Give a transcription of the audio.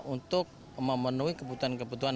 untuk memenuhi kebutuhan kebutuhan